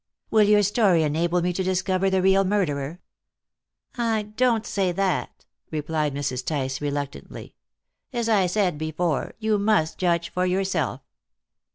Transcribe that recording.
"Will your story enable me to discover the real murderer?" "I don't say that," replied Mrs. Tice reluctantly; "as I said before, you must judge for yourself."